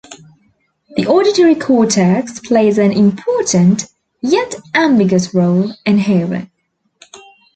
The auditory cortex plays an important yet ambiguous role in hearing.